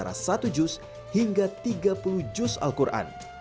salat terawih dengan bacaan antara satu juz hingga tiga puluh juz al quran